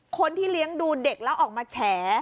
คนที่เลี้ยงดูเด็กแล้วออกมาแฉ